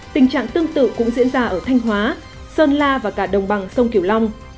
tình trạng tương tự cũng diễn ra ở thanh hóa sơn la và cả đồng bằng sông kiểu long